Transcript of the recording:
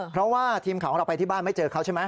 เพราะว่าทีมข่าวของเราไปที่บ้านไม่เจอเขาใช่ไหม